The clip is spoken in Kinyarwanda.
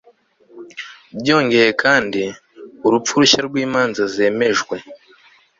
byongeye kandi, urupfu rushya rwimanza zemejwe